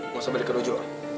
masa balik ke dojo